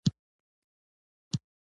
رومیان د کولاګین جوړېدو کې مرسته کوي